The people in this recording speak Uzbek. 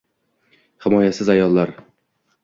Himoyasiz ayollar